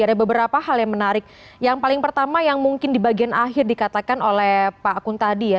ada beberapa hal yang menarik yang paling pertama yang mungkin di bagian akhir dikatakan oleh pak akun tadi ya